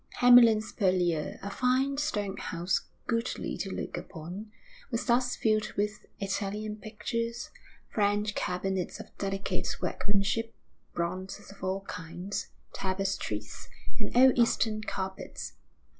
Hamlyn's Purlieu, a fine stone house goodly to look upon, was thus filled with Italian pictures, French cabinets of delicate workmanship, bronzes of all kinds, tapestries, and old Eastern carpets.